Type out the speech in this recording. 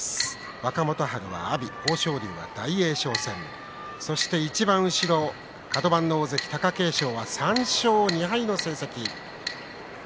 若元春は阿炎豊昇龍は大栄翔戦いちばん後ろはカド番の大関貴景勝は３勝２敗の成績。